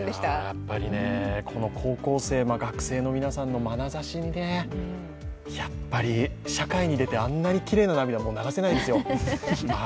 やっぱりね、この高校生学生の皆さんのまなざしにねやっぱり社会に出て、あんなにきれいな涙、流せないですよ。